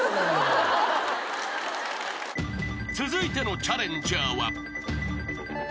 ［続いてのチャレンジャーは］